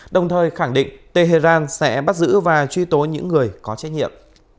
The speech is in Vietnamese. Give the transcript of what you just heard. đồng thời khẳng định tehran sẽ bắt giữ và truy tố những người có trách nhiệm